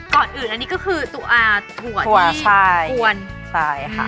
ก่อนอื่น์อันนี้ก็คือตัวถัวใช่ที่ควรใช่ค่ะ